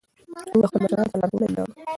موږ د خپلو مشرانو په لارښوونه ویاړو.